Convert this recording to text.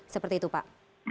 seperti itu pak